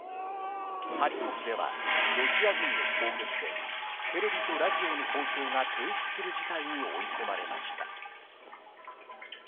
ハリコフではロシア軍の攻撃でテレビとラジオの放送が停止する事態に追い込まれました。